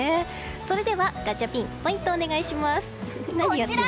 それではガチャピンポイント、お願いします。